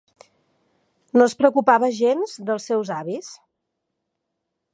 No es preocupava gens dels seus avis.